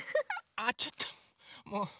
あっちょっともう。